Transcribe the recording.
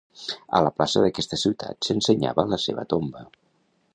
A la plaça d'aquesta ciutat s'ensenyava la seva tomba.